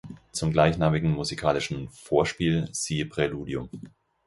Zum gleichnamigen musikalischen "Vorspiel" siehe Präludium.